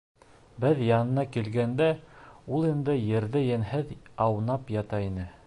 Беҙ янына килгәндә, ул инде ерҙә йәнһеҙ аунап ята ине.